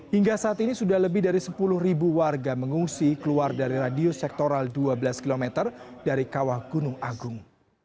hingga saat ini sudah lebih dari sepuluh ribu warga mengungsi keluar dari radius sektoral dua belas km dari kawah gunung agung